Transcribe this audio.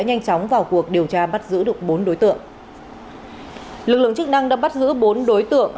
nhanh chóng vào cuộc điều tra bắt giữ được bốn đối tượng lực lượng chức năng đã bắt giữ bốn đối tượng